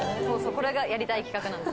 これがやりたい企画なんで。